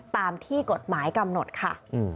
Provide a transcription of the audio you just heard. ตามที่กฎหมายกำหนดค่ะ